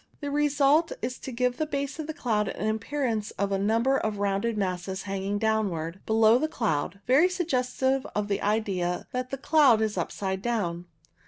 The result is to give the base of the cloud an appearance of a number of rounded masses hanging downwards below the cloud, very suggestive of the idea that the cloud is upside down.